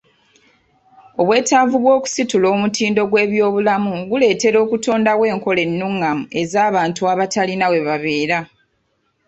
Obwetaavu bw'okusitula omutindo gw'ebyobulamu guleetera okutondawo enkola ennungamu ez'abantu abatalina we babeera.